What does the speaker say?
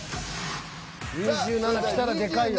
２７きたらでかいよ。